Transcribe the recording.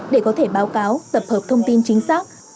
để có thể báo cáo tập hợp thông tin chính xác